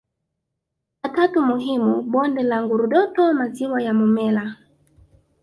matatu muhimu bonde la Ngurdoto maziwa ya Momella